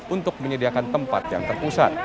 untuk menyediakan tempat yang terpusat